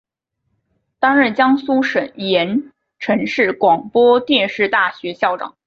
担任江苏省盐城市广播电视大学校长。